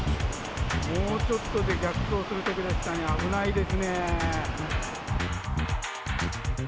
もうちょっとで逆走するところでしたね、危ないですね。